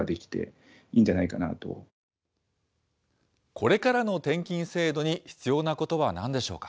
これからの転勤制度に必要なことはなんでしょうか。